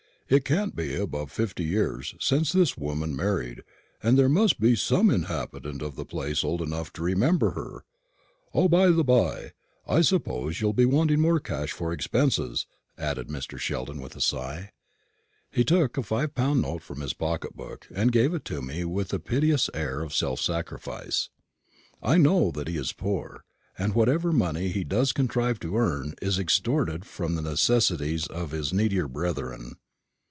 It can't be above fifty years since this woman married, and there must be some inhabitant of the place old enough to remember her. O, by the bye, I suppose you'll be wanting more cash for expenses," added Mr. Sheldon, with a sigh. He took a five pound note from his pocket book, and gave it to me with a piteous air of self sacrifice. I know that he is poor, and that whatever money he does contrive to earn is extorted from the necessities of his needier brethren.